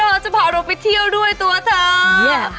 เราจะพาเราไปเที่ยวด้วยตัวเธอ